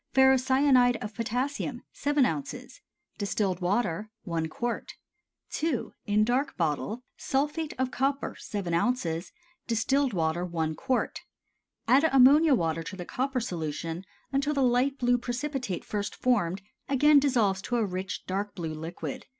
_) Ferrocyanide of potassium 7 oz. Distilled water 1 qt. II. (In Dark Bottle.) Sulphate of copper 7 oz. Distilled water 1 qt. Add ammonia water to the copper solution until the light blue precipitate first formed again dissolves to a rich, dark blue liquid.